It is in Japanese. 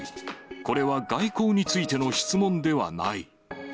これは外交についての質問ではない。